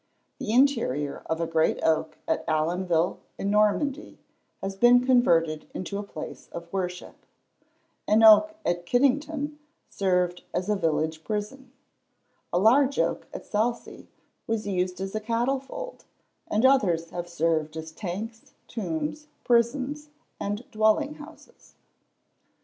The interior of a great oak at Allonville, in Normandy, has been converted into a place of worship. An oak at Kiddington, served as a village prison. A large oak at Salcey, was used as a cattle fold; and others have served as tanks, tombs, prisons, and dwelling houses.